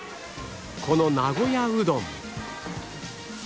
この名古屋うどん